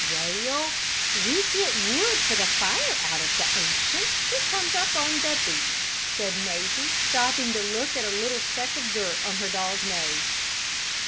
"Well, we get wood for the fire out of the ocean it comes up on the beach," said Mazie, stopping to look at a little speck of dirt on her doll's nose.